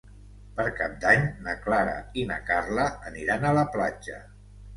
Per Cap d'Any na Clara i na Carla aniran a la platja.